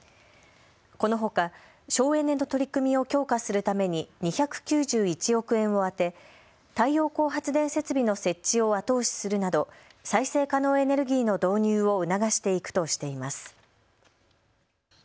このほか省エネの取り組みを強化するために２９１億円を充て太陽光発電設備の設置を後押しするなど再生可能エネルギーの導入を促していくとしています。